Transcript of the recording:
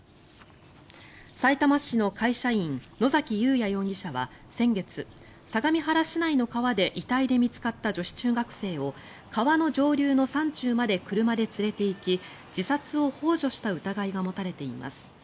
さいたま市の会社員野崎祐也容疑者は先月相模原市内の川で遺体で見つかった女子中学生を川の上流の山中まで車で連れていき自殺をほう助した疑いが持たれています。